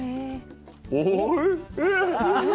おいしい！